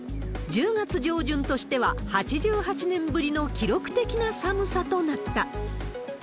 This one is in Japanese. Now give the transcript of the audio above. １０月上旬としては８８年ぶりの記録的な寒さとなった。